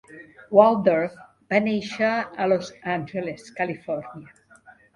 Waldorf va néixer a Los Angeles, Califòrnia.